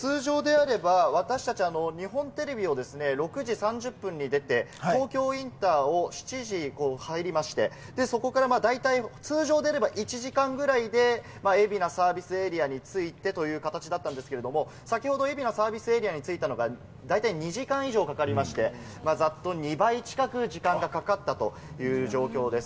通常であれば、私達、日本テレビを６時３０分に出て、東京インターを７時に入りまして、そこから通常であれば１時間ぐらいで海老名サービスエリアに着いてという形だったんですけれども、先ほど海老名サービスエリアに着いたのが大体２時間以上かかりまして、ざっと２倍近く時間がかかったという状況です。